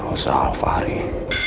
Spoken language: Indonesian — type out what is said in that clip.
tiga tepi mengunturkan dia